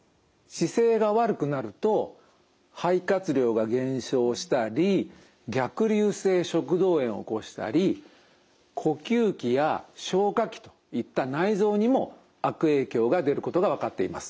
姿勢が悪くなると肺活量が減少したり逆流性食道炎を起こしたり呼吸器や消化器といった内臓にも悪影響が出ることが分かっています。